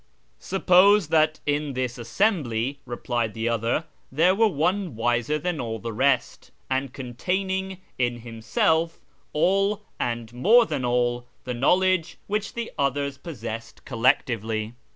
" Suppose that in this assembly," replied the other, " there were one wiser than all the rest, and containing in himself all, xnd more than all, the knowledge which the others possessed collectively.